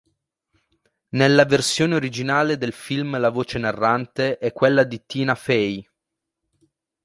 Nella versione originale del film la voce narrante è quella di Tina Fey.